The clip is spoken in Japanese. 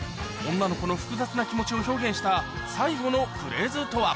女の子の複雑な気持ちを表現した最後のフレーズとは？